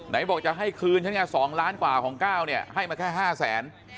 ไหนบอกจะให้คืนฉันไง๒ล้านกว่าของก้าวเนี่ยให้มาแค่๕แสน